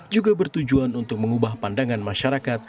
juga bertujuan untuk mengubah pandangan masyarakat